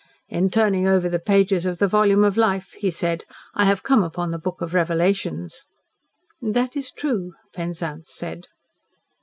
"In turning over the pages of the volume of Life," he said, "I have come upon the Book of Revelations." "That is true," Penzance said.